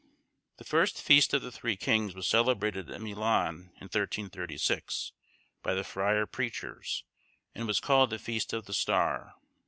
The first feast of the Three Kings was celebrated at Milan in 1336, by the friar preachers, and was called the Feast of the Star.